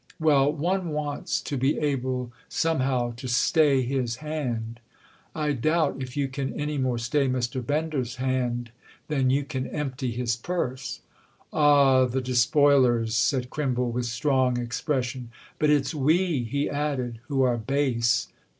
"Well, one wants to be able somehow to stay his hand." "I doubt if you can any more stay Mr. Bender's hand than you can empty his purse." "Ah, the Despoilers!" said Crimble with strong expression. "But it's we," he added, "who are base."